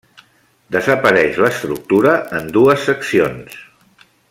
Desapareix l'estructura en dues seccions.